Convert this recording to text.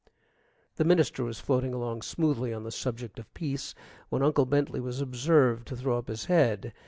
The minister was floating along smoothly on the subject of peace when Uncle Bentley was observed to throw up his head.